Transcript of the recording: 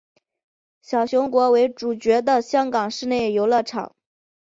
小熊国为主角的香港室内游乐场。